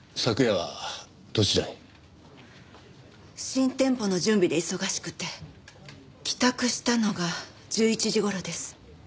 新店舗の準備で忙しくて帰宅したのが１１時頃です。